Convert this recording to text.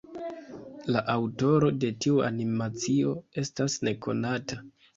La aŭtoro de tiu animacio estas nekonata.